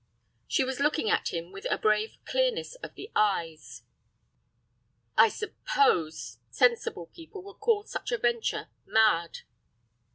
She was looking at him with a brave clearness of the eyes. "I suppose sensible people would call such a venture—mad."